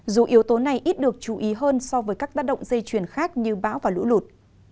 dù yếu tố này ít được chú ý hơn so với các tác động dây chuyển khác như bão và lũ lụt